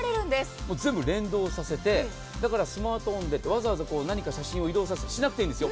もう全部連動させて、だからスマートフォンへわざわざ何か写真を移動させることはしなくていいんですよ。